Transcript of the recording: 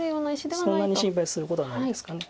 そんなに心配することはないですか。